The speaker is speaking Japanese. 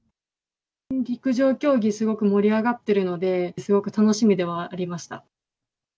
陸上競技、すごく盛り上がってるので、すごく楽しみではありました。